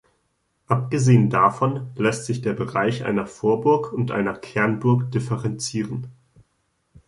Abgesehen davon lässt sich der Bereich einer Vorburg und einer Kernburg differenzieren.